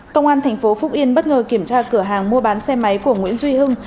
công an tp phúc yên bất ngờ kiểm tra cửa hàng mua bán xe máy của nguyễn duy hưng